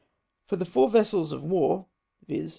For the four vessels of war, viz.